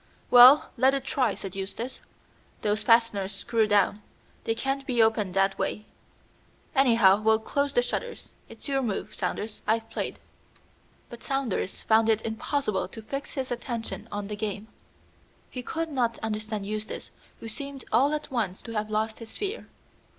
"Well, let it try," said Eustace. "Those fasteners screw down; they can't be opened that way. Anyhow, we'll close the shutters. It's your move, Saunders. I've played." But Saunders found it impossible to fix his attention on the game. He could not understand Eustace, who seemed all at once to have lost his fear.